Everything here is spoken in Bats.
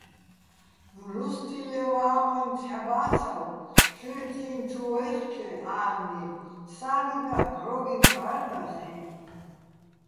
რუსთილეჼ ვა́ღუჲნი ცჰ̦ა ბა́ცავ შეჲრი̆ წი́ნი̆ ჩუ ვაჲხჩე, ა́ლნი, სა́ნი დაჰ̦ დჵო́გინო̆ ბჵარდახეჼ.